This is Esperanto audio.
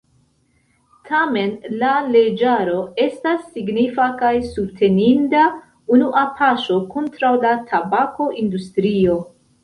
Tamen la leĝaro estas signifa kaj subteninda unua paŝo kontraŭ la tabako-industrio.